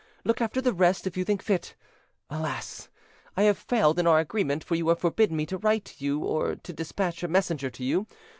Look after the rest, if you think fit. Alas! I have failed in our agreement, for you have forbidden me to write to you, or to despatch a messenger to you.